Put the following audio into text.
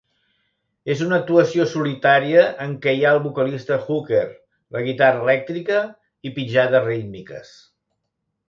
És una actuació solitària en què hi ha el vocalista Hooker, la guitarra elèctrica i pitjades rítmiques.